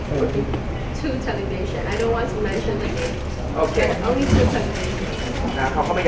พวกมันจัดสินค้าที่๑๙นาที